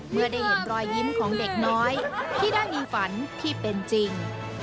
เมื่อได้เห็นรอยยิ้มของเด็กน้อยที่ได้มีฝันที่เป็นจริง